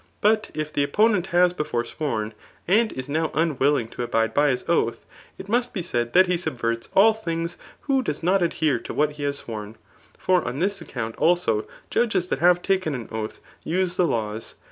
But if the opponent has before sworn, and is now unwilling to abide by his oath, it must be said that he subverts all things who does not adhere to what he has sworn ; for on this account, also, judges that have taken an oath use the laws.